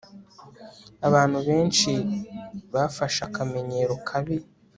Abantu benshi bafashe akamenyero kabi